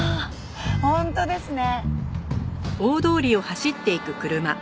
本当ですね。